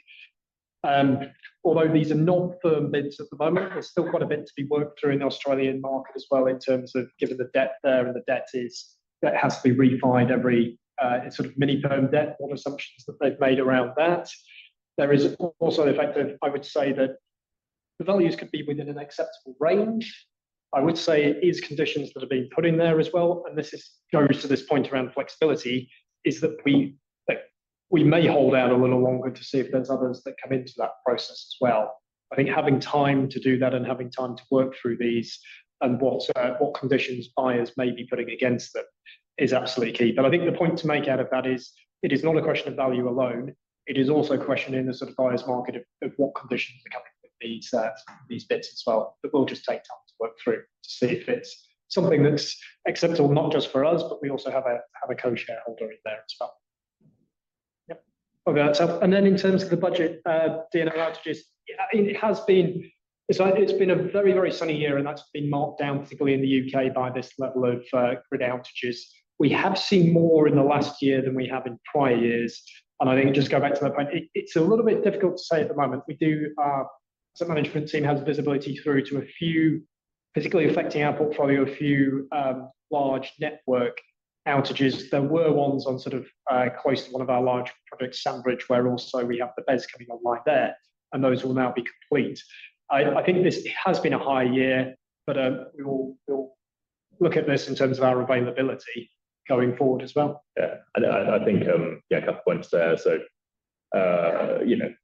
Although these are not firm bids at the moment, there's still quite a bit to be worked through in the Australian market as well in terms of given the bid there and the bid has to be refined every sort of non-firm bid, all the assumptions that they've made around that. There is also the fact that I would say that the values could be within an acceptable range. I would say it is conditions that are being put in there as well and this goes to this point around flexibility, is that we may hold out a little longer to see if there's others that come into that process as well. I think having time to do that and having time to work through these and what conditions buyers may be putting against them is absolutely key but I think the point to make out of that is it is not a question of value alone. It is also a question in the sort of buyer's market of what conditions are coming with these bids as well but we'll just take time to work through to see if it's something that's acceptable not just for us, but we also have a co-shareholder in there as well. Yep. Okay, that's helpful. And then in terms of the budget, DNO outages, it has been a very, very sunny year and that's been marked down, particularly in the U.K., by this level of grid outages. We have seen more in the last year than we have in prior years. And I think just go back to that point, it's a little bit difficult to say at the moment. We do, as the management team has visibility through to a few, particularly affecting our portfolio, a few large network outages. There were ones on sort of close to one of our large projects, Sandridge, where also we have the BESS coming online there, and those will now be complete. I think this has been a high year, but we will look at this in terms of our availability going forward as well. Yeah. I think, yeah, a couple of points there. So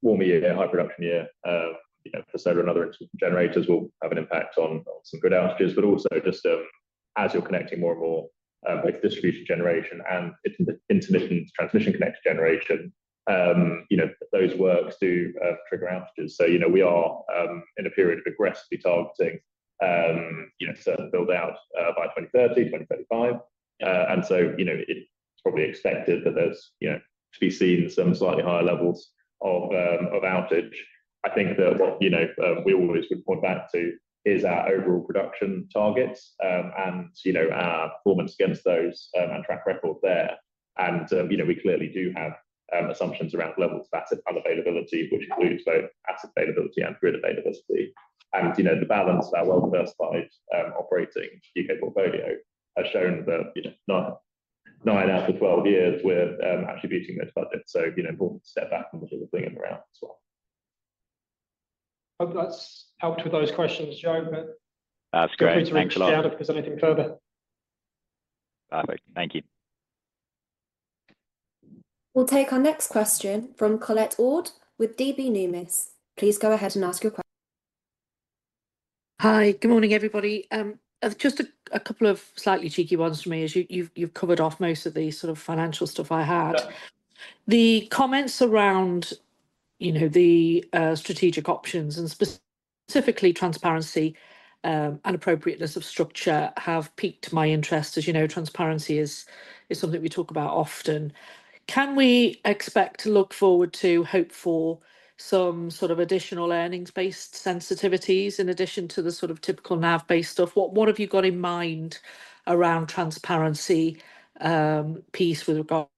warm year, high production year, for solar and other intermittent generators will have an impact on some grid outages, but also just as you're connecting more and more both distributed generation and intermittent transmission connected generation, those works do trigger outages. So we are in a period of aggressively targeting to build out by 2030, 2035. And so it's probably expected that there's to be seen some slightly higher levels of outage. I think that what we always would point back to is our overall production targets and our performance against those and track record there. And we clearly do have assumptions around levels of asset availability, which includes both asset availability and grid availability. And the balance of our well-diversified operating U.K. portfolio has shown that nine out of 12 years, we're hitting those budgets. So important to step back and look at the thing around as well. Hope that's helped with those questions, Joe. That's great. Thanks a lot. Feel free to reach out if there's anything further. Perfect. Thank you. We'll take our next question from Colette Ord with Deutsche Numis. Please go ahead and ask your question. Hi, good morning, everybody. Just a couple of slightly cheeky ones for me as you've covered off most of the sort of financial stuff I had. The comments around the strategic options and specifically transparency and appropriateness of structure have piqued my interest. As you know, transparency is something we talk about often. Can we expect to look forward to, hope for some sort of additional earnings-based sensitivities in addition to the sort of typical NAV-based stuff? What have you got in mind around the transparency piece with regards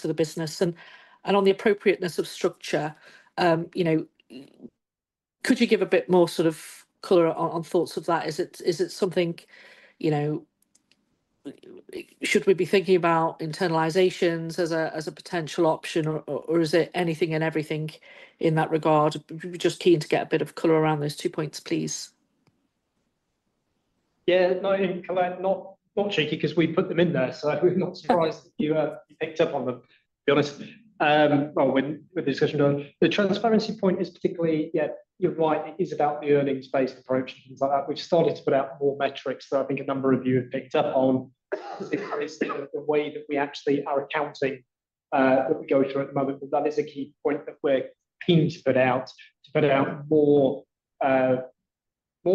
to the business and on the appropriateness of structure? Could you give a bit more sort of color on thoughts of that? Is it something should we be thinking about internalizations as a potential option, or is it anything and everything in that regard? Just keen to get a bit of color around those two points, please. Yeah, no, Colette, not cheeky because we put them in there, so I'm not surprised that you picked up on them, to be honest. With the discussion going, the transparency point is particularly, yeah, you're right, it is about the earnings-based approach and things like that. We've started to put out more metrics that I think a number of you have picked up on. The way that we actually are accounting that we go through at the moment, but that is a key point that we're keen to put out, to put out more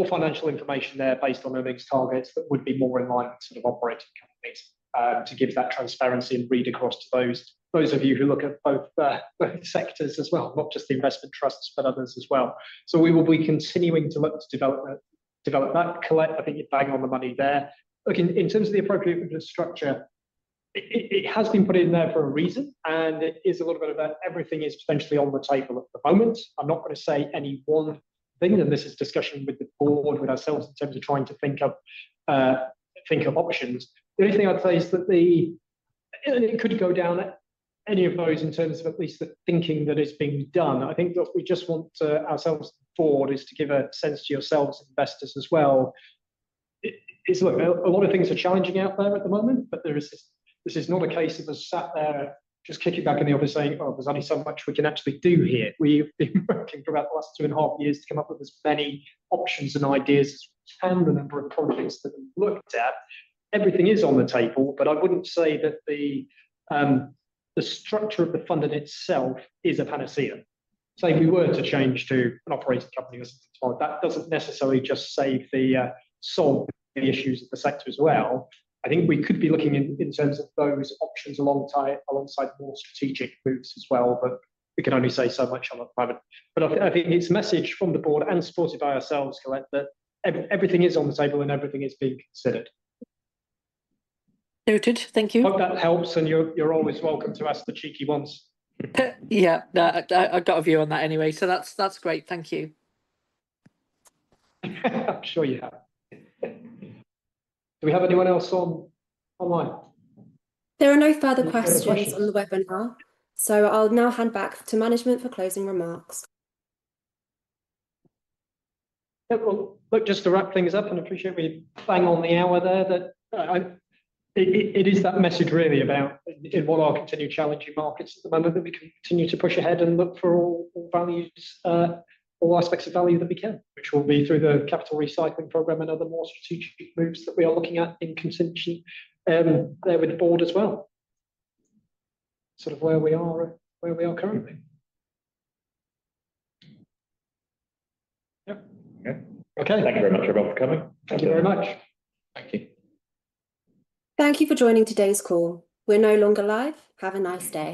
financial information there based on earnings targets that would be more in line with sort of operating companies to give that transparency and read across to those of you who look at both sectors as well, not just investment trusts, but others as well. So we will be continuing to look to develop that. Colette, I think you're bang on the money there. Look, in terms of the appropriate infrastructure, it has been put in there for a reason, and it is a little bit of everything potentially on the table at the moment. I'm not going to say any one thing, and this is a discussion with the board, with ourselves in terms of trying to think of options. The only thing I'd say is that it could go down any of those in terms of at least the thinking that is being done. I think what we just want, ourselves and the board, is to give a sense to yourselves as investors as well. Look, a lot of things are challenging out there at the moment, but this is not a case of us sat there just kicking back in the office saying, "Oh, there's only so much we can actually do here." We've been working for about the last two and a half years to come up with as many options and ideas as we can and a number of projects that we've looked at. Everything is on the table, but I wouldn't say that the structure of the funding itself is a panacea. Say we were to change to an operating company or something similar, that doesn't necessarily just solve the issues of the sector as well. I think we could be looking in terms of those options alongside more strategic moves as well, but we can only say so much on it at the moment. But I think it's a message from the board and supported by ourselves, Colette, that everything is on the table and everything is being considered. Noted. Thank you. Hope that helps, and you're always welcome to ask the cheeky ones. Yeah, I've got a view on that anyway. So that's great. Thank you. I'm sure you have. Do we have anyone else online? There are no further questions on the webinar. So I'll now hand back to management for closing remarks. Look, just to wrap things up, and I appreciate we bang on the hour there, that it is that message really about in what are continued challenging markets at the moment that we can continue to push ahead and look for all aspects of value that we can, which will be through the capital recycling program and other more strategic moves that we are looking at in contention there with the board as well. Sort of where we are currently. Yep. Okay. Thank you very much everyone for coming. Thank you very much. Thank you. Thank you for joining today's call. We're no longer live. Have a nice day.